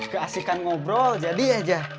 keasikan ngobrol jadi aja